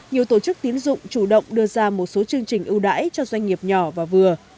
nhiều tổ chức tín dụng chủ động đưa ra một số chương trình ưu đãi cho doanh nghiệp nhỏ và vừa